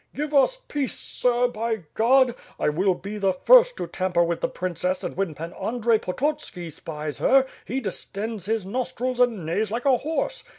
Give us peace, sir, by God! I will be the first to tamper with the princess and when Pan Audrey Potot ski spies her, he distends his nostrils and neighs like a horse.